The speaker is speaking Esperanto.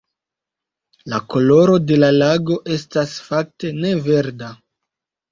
La koloro de la lago estas, fakte, ne verda.